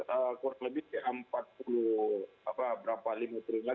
ada sekitar kurang lebih empat puluh lima triliun lagi ya